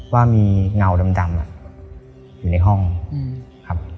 ว่ามีเงาดำอยู่ในห้องครับ